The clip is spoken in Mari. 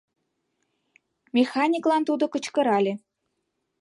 — Механиклан тудо кычкырале.